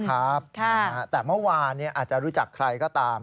ครับแต่เมื่อวานอาจจะรู้จักใครก็ตาม